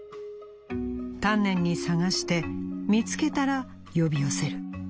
丹念に捜して見つけたら呼び寄せる。